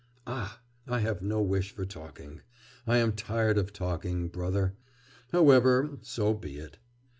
'Ah! I have no wish for talking. I am tired of talking, brother.... However, so be it.